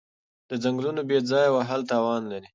د ځنګلونو بې ځایه وهل تاوان لري.